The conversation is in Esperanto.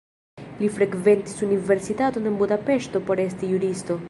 Li frekventis universitaton en Budapeŝto por esti juristo.